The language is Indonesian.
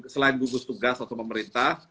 selain gugus tugas atau pemerintah